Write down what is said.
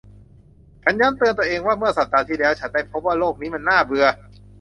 ฉันย้ำเตือนตัวเองว่าเมื่อสัปดาห์ที่แล้วฉันได้พบว่าโลกนี้มันน่าเบื่อ